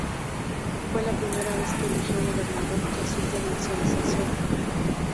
Fue la primera vez que eligió gobernador tras su provincialización.